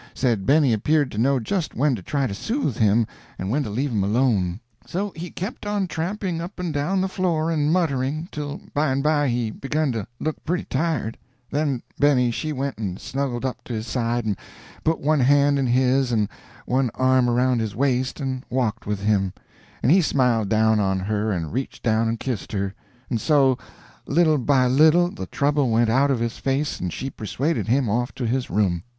Said Benny appeared to know just when to try to soothe him and when to leave him alone. So he kept on tramping up and down the floor and muttering, till by and by he begun to look pretty tired; then Benny she went and snuggled up to his side and put one hand in his and one arm around his waist and walked with him; and he smiled down on her, and reached down and kissed her; and so, little by little the trouble went out of his face and she persuaded him off to his room.